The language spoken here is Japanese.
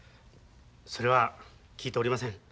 それは聞いておりません。